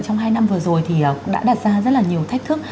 trong hai năm vừa rồi thì cũng đã đặt ra rất là nhiều thách thức